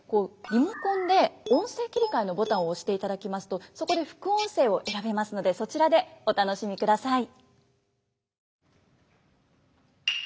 リモコンで「音声切換」のボタンを押していただきますとそこで「副音声」を選べますのでそちらでお楽しみください。